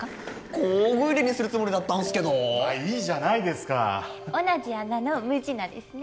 工具入れにするつもりだったんすけどまあいいじゃないですか同じ穴のムジナですね